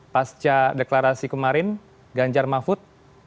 pasca deklarasi kemarin ganjar mahfud